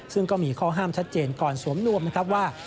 ซึ่งก็มีข้อห้ามชัดเจนก่อนสวมนวมนะครับว่า